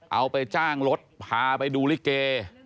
เอาไปจ้างรถพาไปดูลิเก